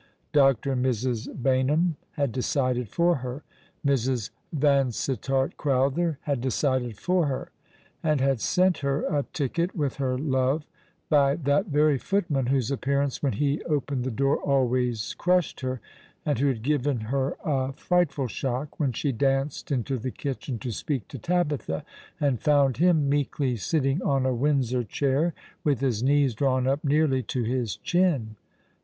Dr. and Mrs. Baynham had decided for her. Mrs. Yansittart Crowther had decided for her, and had sent her a ticket with her love by that very footman whose appearance when he opened the door always crushed her, and who had given her a frightful shock when she danced into the kitchen to speak to Tabitha, and found him meekly sitting on a "Windsor chair, with his knees drawn up nearly to his chin.